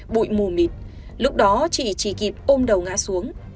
bụi mù mịt lúc đó chị chỉ kịp ôm đầu ngã xuống